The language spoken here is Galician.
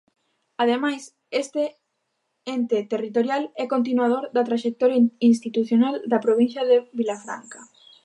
Ademais, este ente territorial é continuador da traxectoria institucional da provincia de Vilafranca.